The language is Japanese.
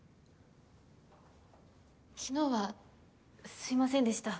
きのうはすいませんでした。